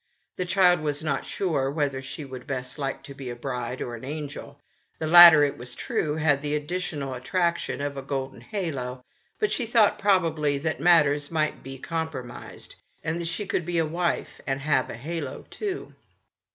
The child was not sure whether she would best like to be a bride or an angel. The latter, it was true, had the additional attraction of a golden halo ; but she thought, probably, that matters might be com promised, and that she could be a wife and have a halo too.